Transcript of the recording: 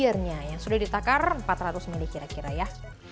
airnya yang sudah ditakar empat ratus menit kira kira ya